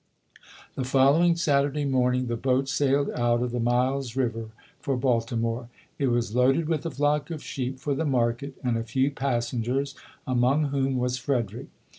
The following Saturday morning early, the boat sailed out of the Miles River for Baltimore. It was loaded with a flock of sheep for the market, and a few passengers, among whom was Freder ick.